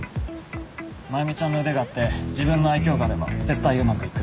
真弓ちゃんの腕があって自分の愛嬌があれば絶対うまくいくって。